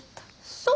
そう。